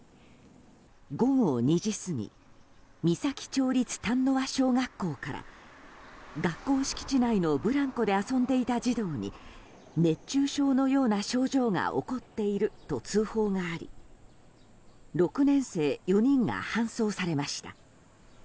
午後２時過ぎ岬町立淡輪小学校から学校敷地内のブランコで遊んでいた児童に熱中症のような症状が起こっていると通報があり６年生４人が搬送されました。